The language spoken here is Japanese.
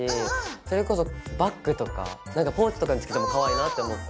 それこそバッグとかポーチとかにつけてもかわいいなって思った。